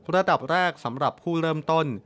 ระดับแรกสำหรับผู้เริ่มต้น